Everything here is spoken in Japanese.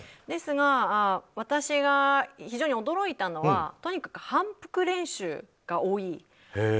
ですが、私が非常に驚いたのはとにかく反復練習が多い。